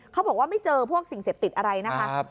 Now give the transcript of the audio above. เขาบอกว่าไม่เจอพวกสิ่งเสพติดอะไรนะคะ